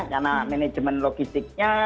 karena manajemen logistiknya